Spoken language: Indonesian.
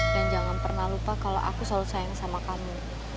jangan pernah lupa kalau aku selalu sayang sama kamu